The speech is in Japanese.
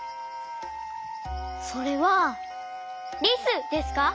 それはリスですか？